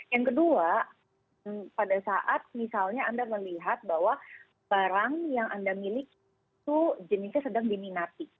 yang kedua pada saat misalnya anda melihat bahwa barang yang anda miliki itu jenisnya sedang diminati